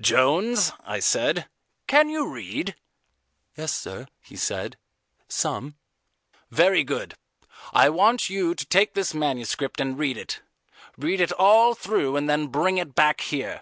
"Jones," I said, "can you read?" "Yes, sir," he said, "some." "Very good. I want you to take this manuscript and read it. Read it all through and then bring it back here."